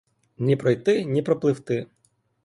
Ні пройти, ні пропливти.